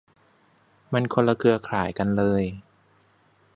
มันคนละเครือข่ายกันเลย